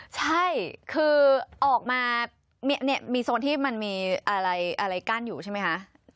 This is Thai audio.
ใช่คือออกมามีโซนที่มันมีอะไรกั้นอยู่ใช่ไหมคะ